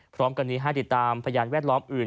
พร้อมกันนี้ให้ติดตามพยานแวดล้อมอื่น